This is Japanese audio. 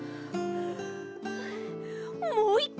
もういっかいです！